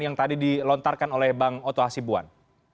yang tadi dilontarkan oleh bang oto hasibuan